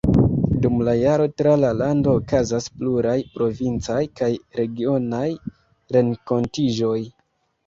Dum la jaro tra la lando okazas pluraj provincaj kaj regionaj renkontiĝoj.